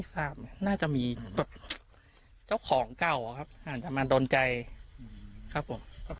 ทราบไหมน่าจะมีแบบเจ้าของเก่าครับอาจจะมาโดนใจครับผม